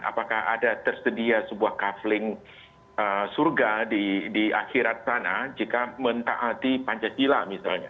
apakah ada tersedia sebuah kafling surga di akhirat sana jika mentaati pancasila misalnya